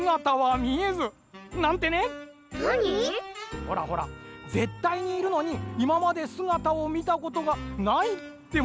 ほらほらぜったいにいるのにいままですがたをみたことがないってものあるでしょう？